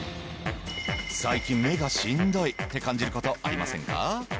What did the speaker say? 最近目がしんどいって感じることありませんか？